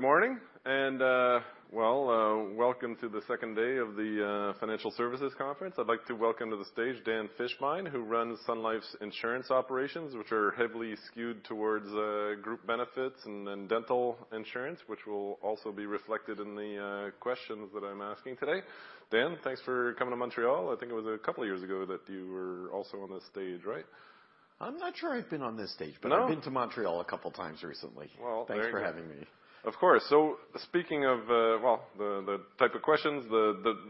Good morning. Well, welcome to the second day of the financial services conference. I'd like to welcome to the stage Dan Fishbein, who runs Sun Life's insurance operations, which are heavily skewed towards group benefits and then dental insurance, which will also be reflected in the questions that I'm asking today. Dan, thanks for coming to Montreal. I think it was a couple of years ago that you were also on this stage, right? I'm not sure I've been on this stage, but I've been to Montreal a couple of times recently. Well, thank you. Thanks for having me. Of course. So speaking of, well, the type of questions,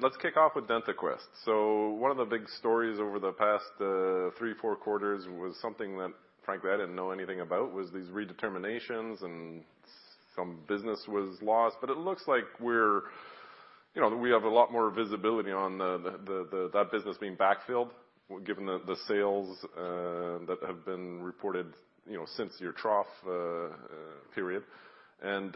let's kick off with DentaQuest. So one of the big stories over the past 3, 4 quarters was something that, frankly, I didn't know anything about, was these redeterminations and some business was lost. But it looks like we're, you know, we have a lot more visibility on that business being backfilled, given the sales that have been reported, you know, since your trough period. And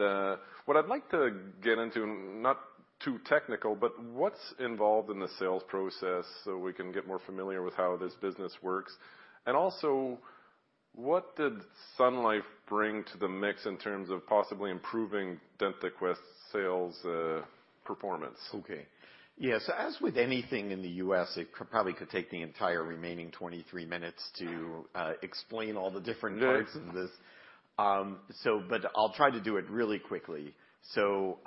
what I'd like to get into, not too technical, but what's involved in the sales process so we can get more familiar with how this business works. And also, what did Sun Life bring to the mix in terms of possibly improving DentaQuest's sales performance? Okay. Yeah. As with anything in the U.S., it could probably take the entire remaining 23 minutes to explain all the different parts of this. Sure. So, I'll try to do it really quickly. So,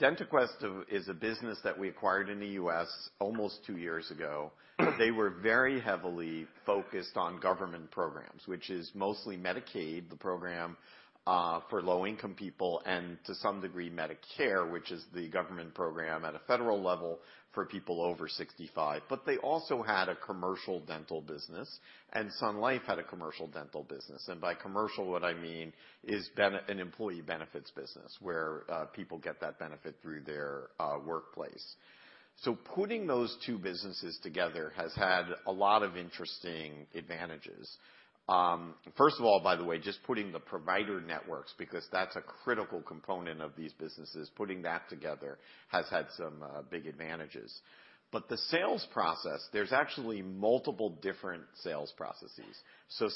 DentaQuest is a business that we acquired in the U.S. almost two years ago. They were very heavily focused on government programs, which is mostly Medicaid, the program for low-income people, and to some degree, Medicare, which is the government program at a federal level for people over 65. But they also had a commercial dental business, and Sun Life had a commercial dental business. And by commercial, what I mean is an employee benefits business where people get that benefit through their workplace. So putting those two businesses together has had a lot of interesting advantages. First of all, by the way, just putting the provider networks, because that's a critical component of these businesses, putting that together has had some big advantages. But the sales process, there's actually multiple different sales processes.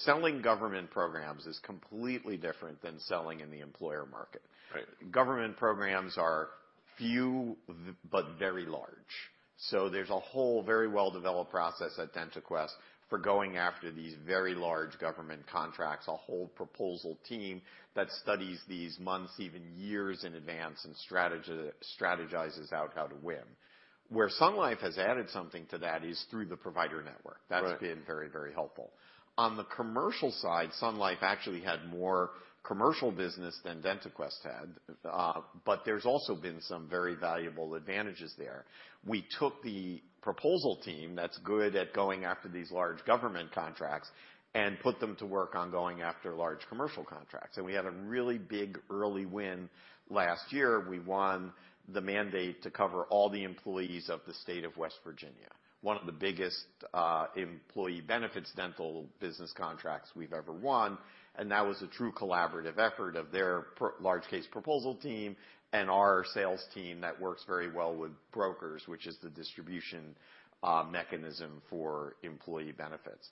Selling government programs is completely different than selling in the employer market. Right. Government programs are few, but very large. So there's a whole very well-developed process at DentaQuest for going after these very large government contracts, a whole proposal team that studies these months, even years in advance, and strategizes out how to win. Where Sun Life has added something to that is through the provider network. Right. That's been very, very helpful. On the commercial side, Sun Life actually had more commercial business than DentaQuest had, but there's also been some very valuable advantages there. We took the proposal team that's good at going after these large government contracts and put them to work on going after large commercial contracts. We had a really big early win last year. We won the mandate to cover all the employees of the State of West Virginia, one of the biggest employee benefits dental business contracts we've ever won. That was a true collaborative effort of their pro large-case proposal team and our sales team that works very well with brokers, which is the distribution mechanism for employee benefits.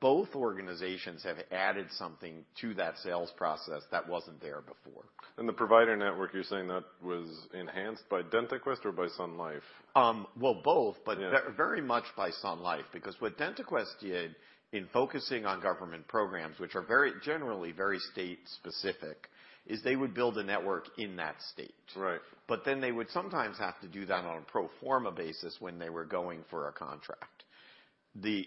Both organizations have added something to that sales process that wasn't there before. The provider network, you're saying that was enhanced by DentaQuest or by Sun Life? Well, both, but. Yeah. Very much by Sun Life. Because what DentaQuest did in focusing on government programs, which are very generally very state-specific, is they would build a network in that state. Right. But then they would sometimes have to do that on a pro forma basis when they were going for a contract.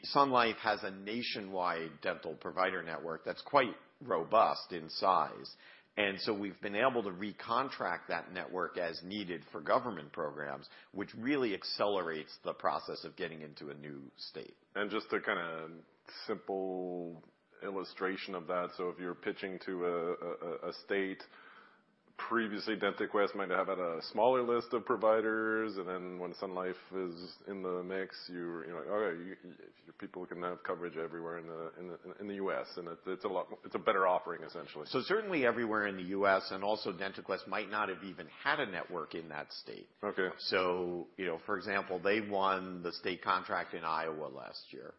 Sun Life has a nationwide dental provider network that's quite robust in size. And so we've been able to recontract that network as needed for government programs, which really accelerates the process of getting into a new state. Just a kind of simple illustration of that, so if you're pitching to a state previously, DentaQuest might have had a smaller list of providers, and then when Sun Life is in the mix, you're like, "Okay. You if your people can have coverage everywhere in the U.S." And it's a lot it's a better offering, essentially. So certainly everywhere in the U.S., and also DentaQuest might not have even had a network in that state. Okay. You know, for example, they won the state contract in Iowa last year.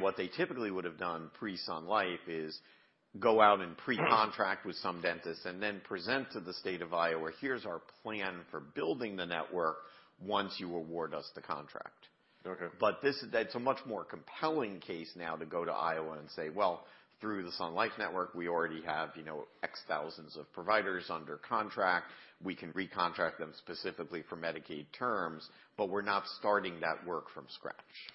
What they typically would have done pre-Sun Life is go out and precontract with some dentists and then present to the state of Iowa, "Here's our plan for building the network once you award us the contract. Okay. But that's a much more compelling case now to go to Iowa and say, "Well, through the Sun Life network, we already have, you know, X thousands of providers under contract. We can recontract them specifically for Medicaid terms, but we're not starting that work from scratch.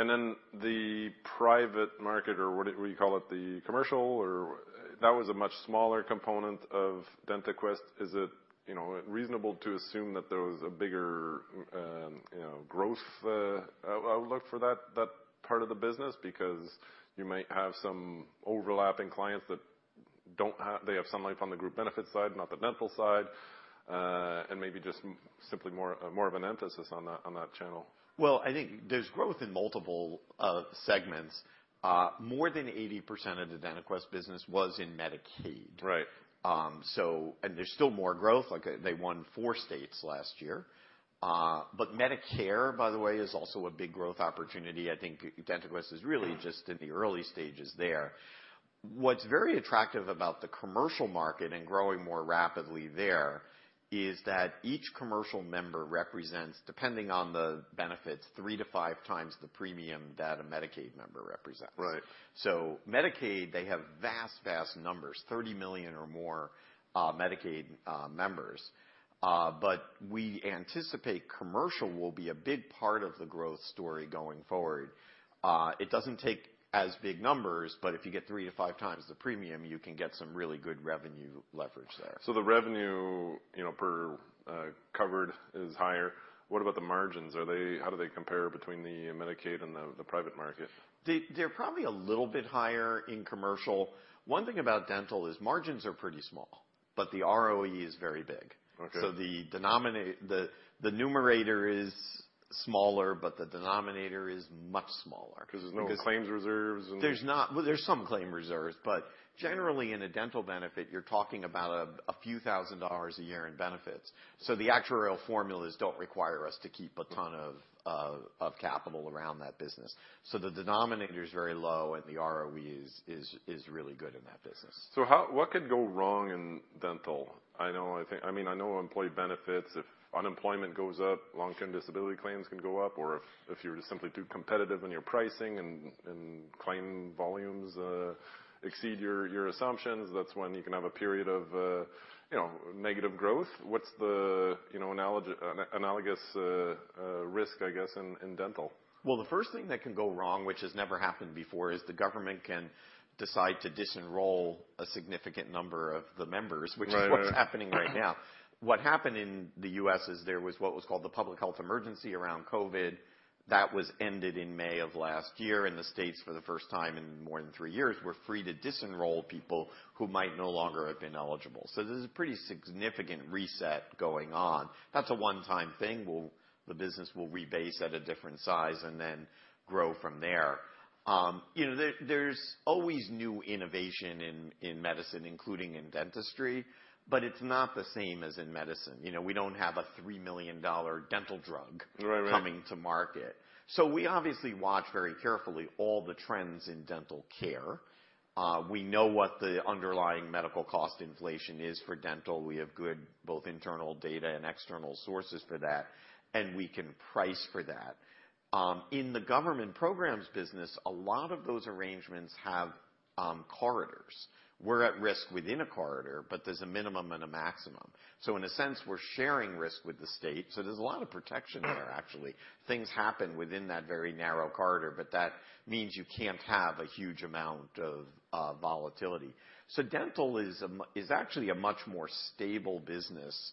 And then the private market, or what do you call it, the commercial, or that was a much smaller component of DentaQuest. Is it, you know, reasonable to assume that there was a bigger, you know, growth outlook for that part of the business? Because you might have some overlapping clients that don't they have Sun Life on the group benefits side, not the dental side, and maybe just simply more of an emphasis on that channel. Well, I think there's growth in multiple segments. More than 80% of the DentaQuest business was in Medicaid. Right. So, and there's still more growth. Like, they won four states last year. But Medicare, by the way, is also a big growth opportunity. I think DentaQuest is really just in the early stages there. What's very attractive about the commercial market and growing more rapidly there is that each commercial member represents, depending on the benefits, three to five times the premium that a Medicaid member represents. Right. So, Medicaid, they have vast, vast numbers, 30 million or more, Medicaid members. But we anticipate commercial will be a big part of the growth story going forward. It doesn't take as big numbers, but if you get 3-5 times the premium, you can get some really good revenue leverage there. So the revenue, you know, per covered is higher. What about the margins? Are they? How do they compare between the Medicaid and the private market? They're probably a little bit higher in commercial. One thing about dental is margins are pretty small, but the ROE is very big. Okay. So the denominator, the numerator is smaller, but the denominator is much smaller. 'Cause there's no claims reserves and. There's not. Well, there's some claim reserves. But generally, in a dental benefit, you're talking about a few thousand dollars a year in benefits. So the actuarial formulas don't require us to keep a ton of capital around that business. So the denominator's very low, and the ROE is really good in that business. So, what could go wrong in dental? I know, I think—I mean, I know employee benefits, if unemployment goes up, long-term disability claims can go up. Or if, if you were to simply do competitive in your pricing and, and claim volumes exceed your, your assumptions, that's when you can have a period of, you know, negative growth. What's the, you know, analogous risk, I guess, in dental? Well, the first thing that can go wrong, which has never happened before, is the government can decide to disenroll a significant number of the members, which is what's happening right now. Right. What happened in the U.S. is there was what was called the Public Health Emergency around COVID. That was ended in May of last year. The states, for the first time in more than three years, were free to disenroll people who might no longer have been eligible. So there's a pretty significant reset going on. That's a one-time thing. Well, the business will rebase at a different size and then grow from there. You know, there, there's always new innovation in medicine, including in dentistry, but it's not the same as in medicine. You know, we don't have a $3 million dental drug. Right, right. Coming to market. So we obviously watch very carefully all the trends in dental care. We know what the underlying medical cost inflation is for dental. We have good both internal data and external sources for that, and we can price for that. In the government programs business, a lot of those arrangements have corridors. We're at risk within a corridor, but there's a minimum and a maximum. So in a sense, we're sharing risk with the state. So there's a lot of protection there, actually. Things happen within that very narrow corridor, but that means you can't have a huge amount of volatility. So dental is actually a much more stable business,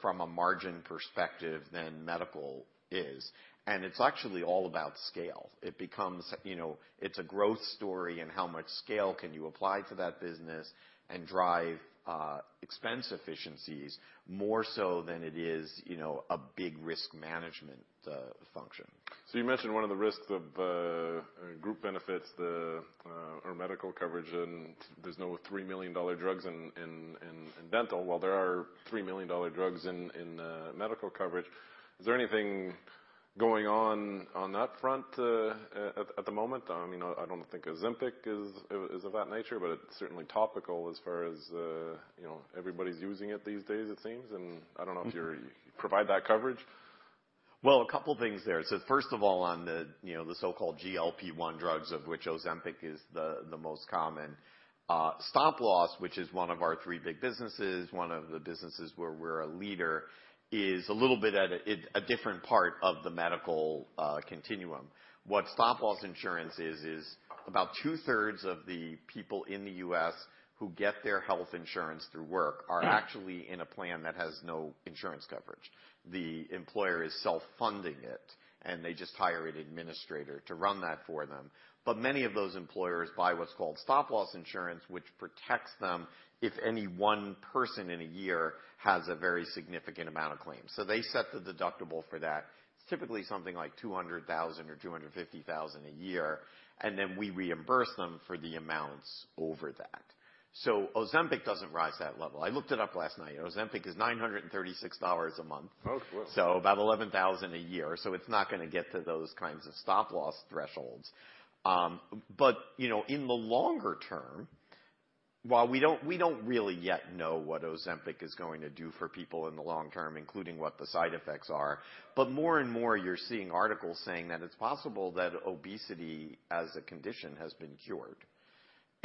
from a margin perspective than medical is. And it's actually all about scale. It becomes, you know, it's a growth story in how much scale can you apply to that business and drive expense efficiencies more so than it is, you know, a big risk management function. So you mentioned one of the risks of group benefits or medical coverage. And there's no $3 million drugs in dental. Well, there are $3 million drugs in medical coverage. Is there anything going on on that front at the moment? I mean, I don't think Ozempic is of that nature, but it's certainly topical as far as you know everybody's using it these days, it seems. And I don't know if you provide that coverage. Well, a couple of things there. So first of all, on the, you know, the so-called GLP-1 drugs, of which Ozempic is the most common, Stop Loss, which is one of our three big businesses, one of the businesses where we're a leader, is a little bit at a different part of the medical continuum. What Stop Loss insurance is, is about two-thirds of the people in the U.S. who get their health insurance through work are actually in a plan that has no insurance coverage. The employer is self-funding it, and they just hire an administrator to run that for them. But many of those employers buy what's called Stop Loss insurance, which protects them if any one person in a year has a very significant amount of claims. So they set the deductible for that. It's typically something like $200,000-$250,000 a year, and then we reimburse them for the amounts over that. So Ozempic doesn't rise that level. I looked it up last night. Ozempic is $936 a month. Oh, cool. So about 11,000 a year. So it's not gonna get to those kinds of stop-loss thresholds. But, you know, in the longer term, while we don't really yet know what Ozempic is going to do for people in the long term, including what the side effects are, but more and more, you're seeing articles saying that it's possible that obesity as a condition has been cured.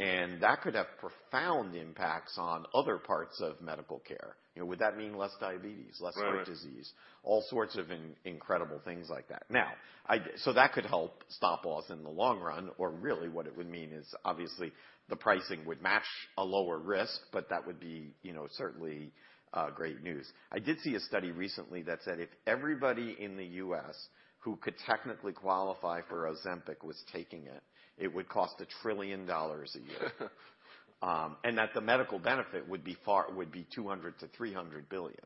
And that could have profound impacts on other parts of medical care. You know, would that mean less diabetes, less heart disease? Right. All sorts of incredible things like that. Now, I'd say that could help Stop-Loss in the long run. Or really, what it would mean is, obviously, the pricing would match a lower risk, but that would be, you know, certainly, great news. I did see a study recently that said if everybody in the U.S. who could technically qualify for Ozempic was taking it, it would cost $1 trillion a year. And that the medical benefit would be $200 billion-$300 billion.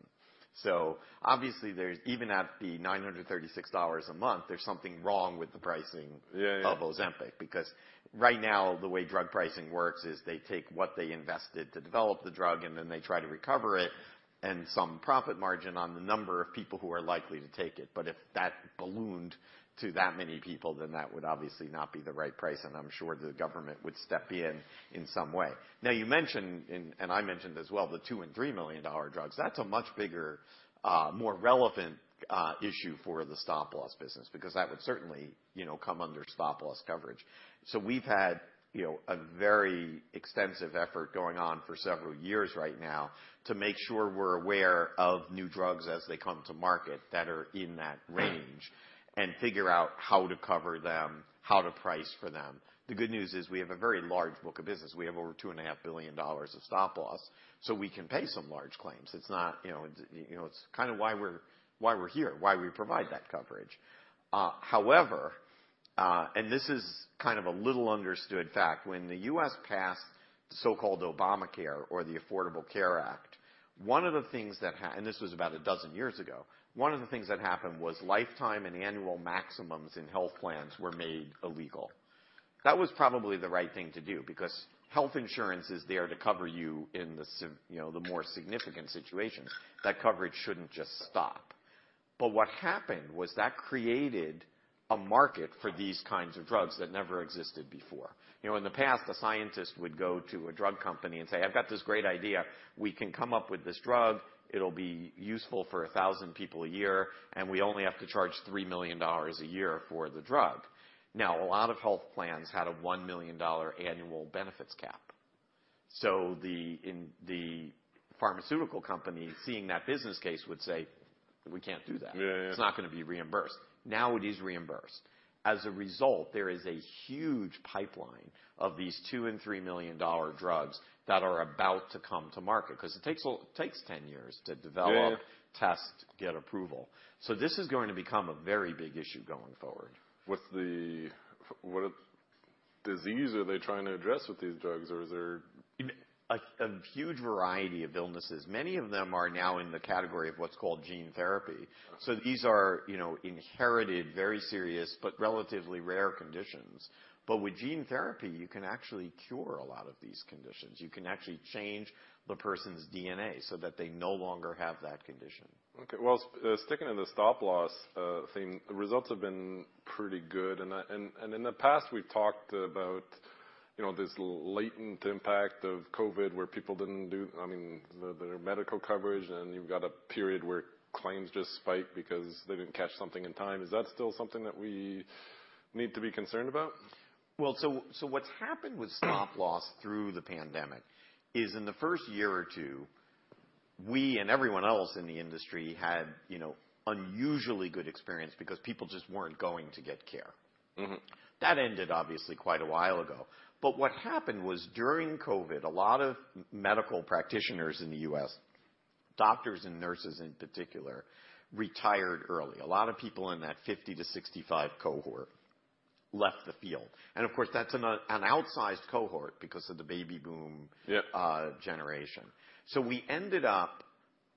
So obviously, there's even at the $936 a month, there's something wrong with the pricing. Yeah, yeah. Of Ozempic. Because right now, the way drug pricing works is they take what they invested to develop the drug, and then they try to recover it and some profit margin on the number of people who are likely to take it. But if that ballooned to that many people, then that would obviously not be the right price, and I'm sure the government would step in in some way. Now, you mentioned in and I mentioned as well, the $2 million-$3 million drugs. That's a much bigger, more relevant, issue for the Stop-Loss business because that would certainly, you know, come under Stop-Loss coverage. So we've had, you know, a very extensive effort going on for several years right now to make sure we're aware of new drugs as they come to market that are in that range and figure out how to cover them, how to price for them. The good news is we have a very large book of business. We have over $2.5 billion of Stop Loss, so we can pay some large claims. It's not you know, it's you know, it's kind of why we're here, why we provide that coverage. However, and this is kind of a little understood fact. When the U.S. passed the so-called Obamacare or the Affordable Care Act, one of the things that happened was lifetime and annual maximums in health plans were made illegal. That was probably the right thing to do because health insurance is there to cover you in the, you know, the more significant situations. That coverage shouldn't just stop. But what happened was that created a market for these kinds of drugs that never existed before. You know, in the past, a scientist would go to a drug company and say, "I've got this great idea. We can come up with this drug. It'll be useful for 1,000 people a year, and we only have to charge $3 million a year for the drug." Now, a lot of health plans had a $1 million annual benefits cap. So then in the pharmaceutical company, seeing that business case, would say, "We can't do that. It's not gonna be reimbursed." Now it is reimbursed. As a result, there is a huge pipeline of these $2 million and $3 million drugs that are about to come to market 'cause it takes a little, it takes 10 years to develop, test, get approval. This is going to become a very big issue going forward. What disease are they trying to address with these drugs, or is there? In a huge variety of illnesses. Many of them are now in the category of what's called gene therapy. So these are, you know, inherited, very serious but relatively rare conditions. But with gene therapy, you can actually cure a lot of these conditions. You can actually change the person's DNA so that they no longer have that condition. Okay. Well, sticking to the Stop-Loss theme, the results have been pretty good. And in the past, we've talked about, you know, this latent impact of COVID where people didn't do—I mean, the medical coverage—and then you've got a period where claims just spike because they didn't catch something in time. Is that still something that we need to be concerned about? Well, so, what's happened with Stop-Loss through the pandemic is in the first year or two, we and everyone else in the industry had, you know, unusually good experience because people just weren't going to get care. Mm-hmm. That ended, obviously, quite a while ago. But what happened was during COVID, a lot of medical practitioners in the U.S., doctors and nurses in particular, retired early. A lot of people in that 50-65 cohort left the field. And of course, that's an outsized cohort because of the baby boom. Yeah. generation. So we ended up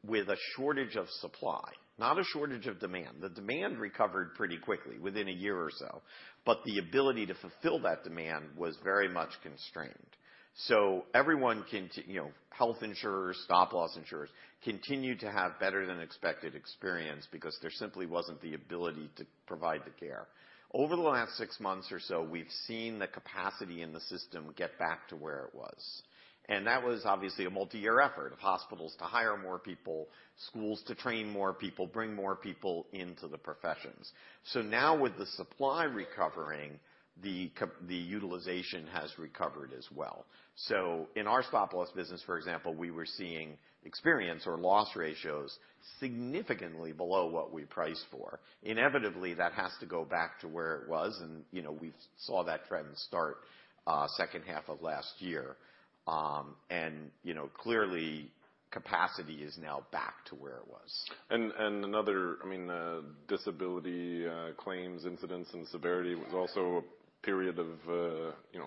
with a shortage of supply, not a shortage of demand. The demand recovered pretty quickly within a year or so, but the ability to fulfill that demand was very much constrained. So everyone, you know, health insurers, Stop-Loss insurers, continued to have better-than-expected experience because there simply wasn't the ability to provide the care. Over the last six months or so, we've seen the capacity in the system get back to where it was. That was obviously a multi-year effort of hospitals to hire more people, schools to train more people, bring more people into the professions. So now, with the supply recovering, the utilization has recovered as well. So in our Stop-Loss business, for example, we were seeing experience or loss ratios significantly below what we priced for. Inevitably, that has to go back to where it was. You know, we saw that trend start, second half of last year. You know, clearly, capacity is now back to where it was. And another – I mean, disability claims, incidents, and severity – was also a period of, you know,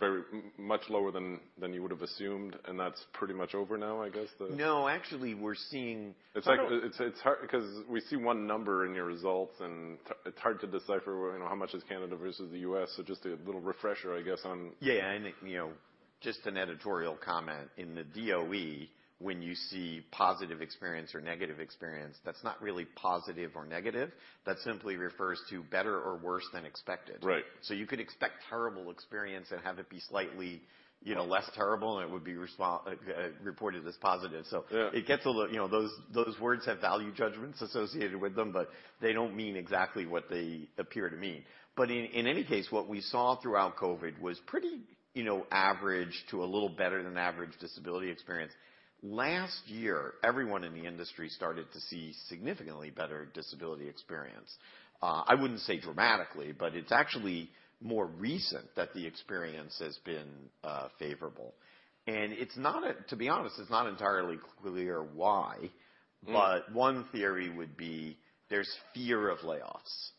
very much lower than you would have assumed. And that's pretty much over now, I guess, the? No, actually, we're seeing. It's like, it's hard 'cause we see one number in your results, and it's hard to decipher what, you know, how much is Canada versus the U.S. So just a little refresher, I guess, on. Yeah, yeah. And, you know, just an editorial comment. In the SOE, when you see positive experience or negative experience, that's not really positive or negative. That simply refers to better or worse than expected. Right. So you could expect terrible experience and have it be slightly, you know, less terrible, and it would be reported as positive. So. Yeah. It gets a little, you know, those, those words have value judgments associated with them, but they don't mean exactly what they appear to mean. But in any case, what we saw throughout COVID was pretty, you know, average to a little better-than-average disability experience. Last year, everyone in the industry started to see significantly better disability experience. I wouldn't say dramatically, but it's actually more recent that the experience has been favorable. And it's not, to be honest, it's not entirely clear why. Mm-hmm. But one theory would be there's fear of layoffs. So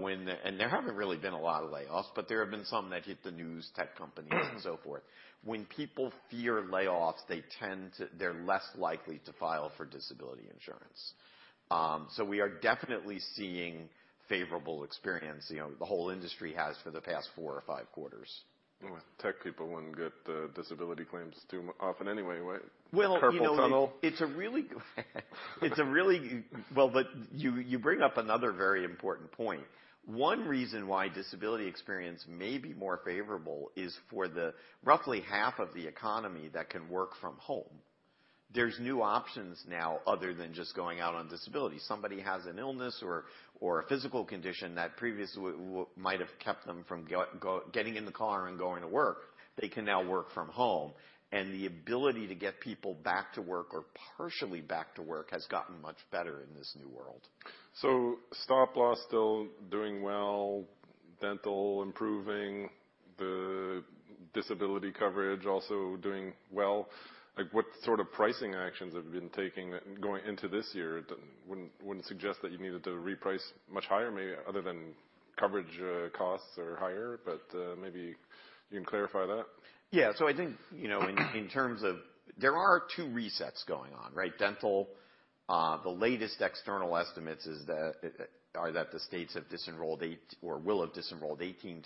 when there haven't really been a lot of layoffs, but there have been some that hit the news, tech companies, and so forth. When people fear layoffs, they tend to; they're less likely to file for disability insurance. So we are definitely seeing favorable experience, you know, the whole industry has for the past Q4 or Q5. Well, tech people wouldn't get disability claims too often anyway, right? Carpal Tunnel, you know? Well, you know, it's a really good, well, but you bring up another very important point. One reason why disability experience may be more favorable is for the roughly half of the economy that can work from home. There's new options now other than just going out on disability. Somebody has an illness or a physical condition that previously would might have kept them from getting in the car and going to work, they can now work from home. And the ability to get people back to work or partially back to work has gotten much better in this new world. So Stop Loss still doing well, dental improving, the disability coverage also doing well. Like, what sort of pricing actions have you been taking that going into this year? It wouldn't, wouldn't suggest that you needed to reprice much higher, maybe, other than coverage, costs are higher, but, maybe you can clarify that. Yeah. So I think, you know, in terms of there are two resets going on, right? Dental, the latest external estimates are that the states have disenrolled 18% or will have disenrolled 18%-19%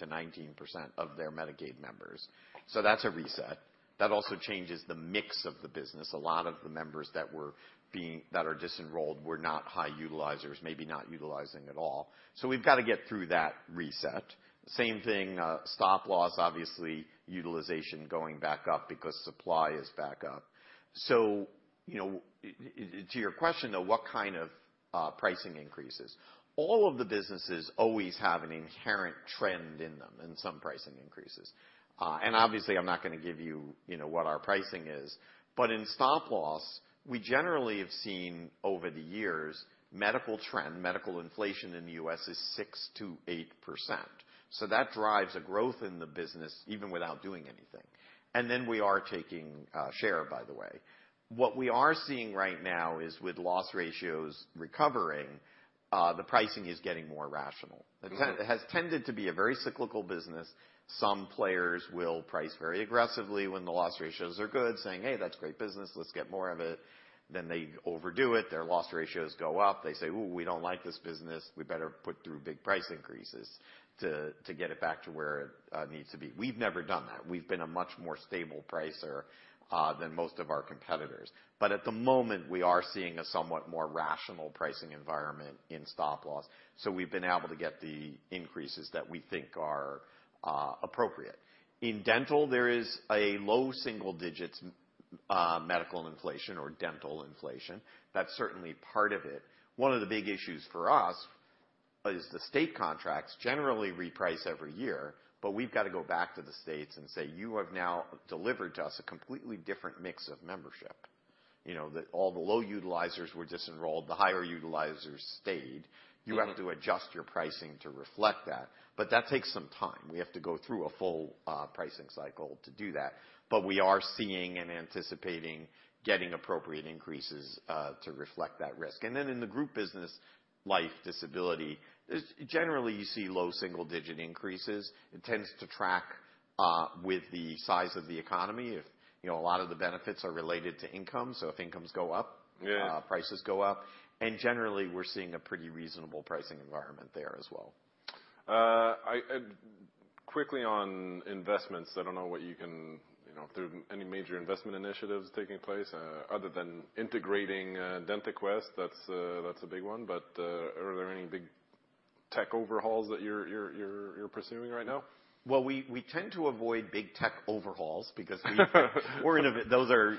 of their Medicaid members. So that's a reset. That also changes the mix of the business. A lot of the members that are being disenrolled were not high utilizers, maybe not utilizing at all. So we've gotta get through that reset. Same thing, Stop-Loss, obviously, utilization going back up because supply is back up. So, you know, it to your question, though, what kind of pricing increases? All of the businesses always have an inherent trend in them in some pricing increases. And obviously, I'm not gonna give you, you know, what our pricing is. But in Stop-Loss, we generally have seen over the years, medical trend medical inflation in the U.S. is 6%-8%. So that drives a growth in the business even without doing anything. And then we are taking share, by the way. What we are seeing right now is with loss ratios recovering, the pricing is getting more rational. It has tended to be a very cyclical business. Some players will price very aggressively when the loss ratios are good, saying, "Hey, that's great business. Let's get more of it." Then they overdo it. Their loss ratios go up. They say, "Ooh, we don't like this business. We better put through big price increases to get it back to where it needs to be." We've never done that. We've been a much more stable pricer than most of our competitors. But at the moment, we are seeing a somewhat more rational pricing environment in Stop-Loss. So we've been able to get the increases that we think are appropriate. In dental, there is low single-digit medical inflation or dental inflation. That's certainly part of it. One of the big issues for us is the state contracts generally reprice every year, but we've gotta go back to the states and say, "You have now delivered to us a completely different mix of membership." All the low utilizers were disenrolled. The higher utilizers stayed. You have to adjust your pricing to reflect that. But that takes some time. We have to go through a full pricing cycle to do that. But we are seeing and anticipating getting appropriate increases to reflect that risk. And then in the group business, life, disability, there's generally you see low single-digit increases. It tends to track with the size of the economy if, you know, a lot of the benefits are related to income. So if incomes go up. Yeah. Prices go up. Generally, we're seeing a pretty reasonable pricing environment there as well. And quickly on investments, I don't know what you can, you know, if there are any major investment initiatives taking place, other than integrating DentaQuest. That's a big one. But, are there any big tech overhauls that you're pursuing right now? Well, we tend to avoid big tech overhauls because we think very, those are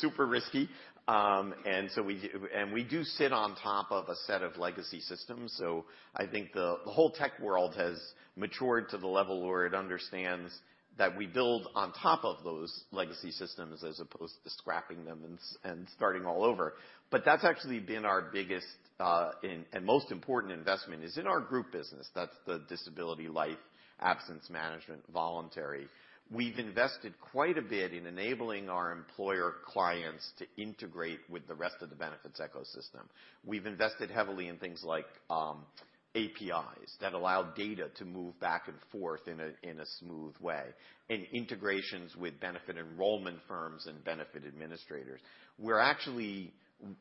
super risky. So we do sit on top of a set of legacy systems. So I think the whole tech world has matured to the level where it understands that we build on top of those legacy systems as opposed to scrapping them and starting all over. But that's actually been our biggest and most important investment is in our group business. That's the disability, life, absence management, voluntary. We've invested quite a bit in enabling our employer clients to integrate with the rest of the benefits ecosystem. We've invested heavily in things like APIs that allow data to move back and forth in a smooth way and integrations with benefit enrollment firms and benefit administrators. We're actually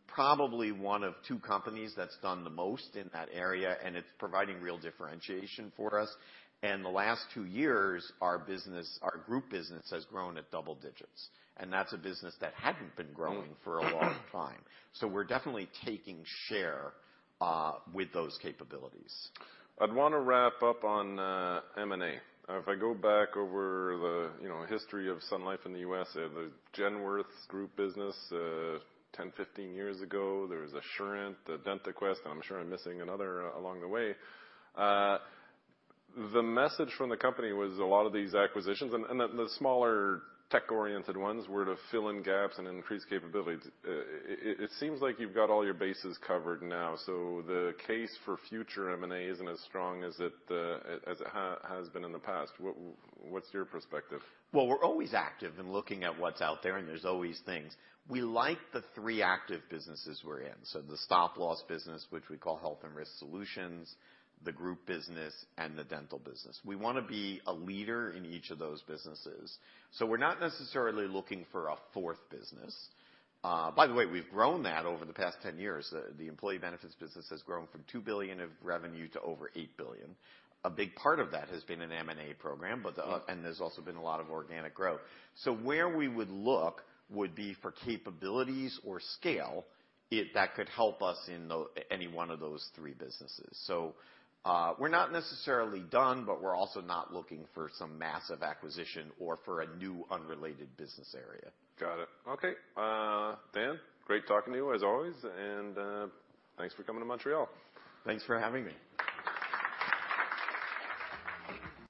probably one of two companies that's done the most in that area, and it's providing real differentiation for us. The last two years, our business our group business has grown at double digits. That's a business that hadn't been growing for a long time. We're definitely taking share, with those capabilities. I'd wanna wrap up on M&A. If I go back over the, you know, history of Sun Life in the U.S., the Genworth group business 10, 15 years ago, there was Assurant, DentaQuest, and I'm sure I'm missing another along the way. The message from the company was a lot of these acquisitions and that the smaller tech-oriented ones were to fill in gaps and increase capabilities. It seems like you've got all your bases covered now. So the case for future M&A isn't as strong as it has been in the past. What's your perspective? Well, we're always active in looking at what's out there, and there's always things. We like the three active businesses we're in, so the Stop-Loss business, which we call Health and Risk Solutions, the group business, and the dental business. We wanna be a leader in each of those businesses. So we're not necessarily looking for a fourth business. By the way, we've grown that over the past 10 years. The employee benefits business has grown from $2 billion of revenue to over $8 billion. A big part of that has been an M&A program, but, and there's also been a lot of organic growth. So where we would look would be for capabilities or scale that could help us in those any one of those three businesses. We're not necessarily done, but we're also not looking for some massive acquisition or for a new unrelated business area. Got it. Okay. Dan, great talking to you as always. Thanks for coming to Montreal. Thanks for having me.